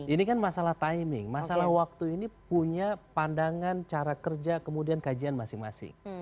ini kan masalah timing masalah waktu ini punya pandangan cara kerja kemudian kajian masing masing